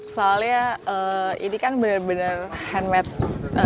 soalnya ini kan benar benar handmade